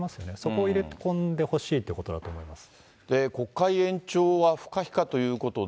そこを入れ込んでほしいってことだと思います。